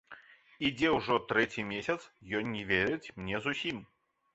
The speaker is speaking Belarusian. Ідзе ўжо трэці месяц, ён не верыць мне зусім.